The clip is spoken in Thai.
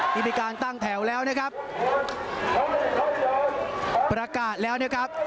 ที่มีการตั้งแถวแล้วนะครับประกาศแล้วนะครับ